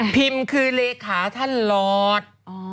คือเลขาท่านหลอด